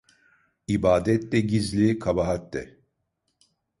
İbadet de gizli kabahat de.